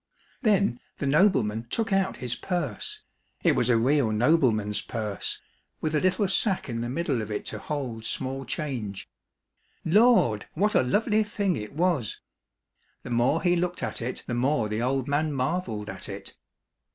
Then the nobleman took out his purse, it was a real nobleman's purse, with a little sack in the middle of it to hold small change. Lord ! what a lovely thing it was ! The more he looked at it, the more the old man marvelled at it.